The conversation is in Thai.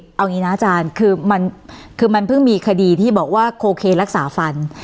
เอาอย่างนี้นะอาจารย์คือมันเพิ่งมีคดีที่บอกว่าโคเครักษาฟัน